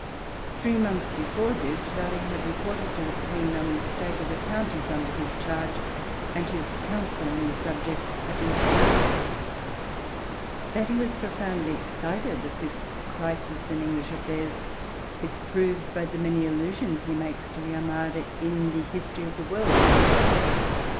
Three months before this, Raleigh had reported to the Queen on the state of the counties under his charge, and his counsel on the subject had been taken. That he was profoundly excited at the crisis in English affairs is proved by the many allusions he makes to the Armada in the History of the World.